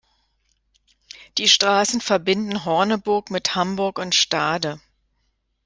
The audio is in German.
Die Straßen verbinden Horneburg mit Hamburg und Stade.